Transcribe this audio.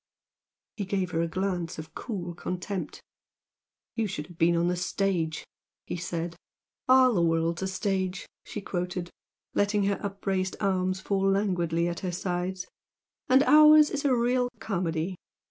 He gave her a glance of cool contempt. "You should have been on the stage!" he said. "'All the world's a stage,'" she quoted, letting her upraised arms fall languidly at her sides "And ours is a real comedy!